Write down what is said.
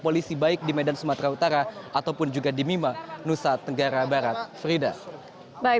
polisi baik di medan sumatera utara ataupun juga di mima nusa tenggara barat frida baik